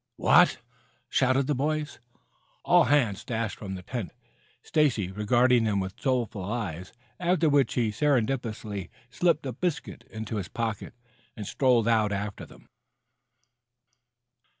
"What!" shouted the boys. All hands dashed from the tent, Stacy regarding them with soulful eyes, after which he surreptitiously slipped a biscuit into his pocket and strolled out after them.